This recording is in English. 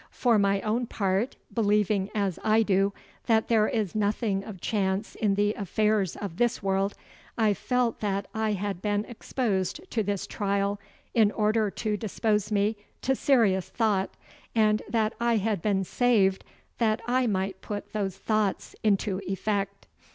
For my own part, believing as I do that there is nothing of chance in the affairs of this world, I felt that I had been exposed to this trial in order to dispose me to serious thought, and that I had been saved that I might put those thoughts into effect.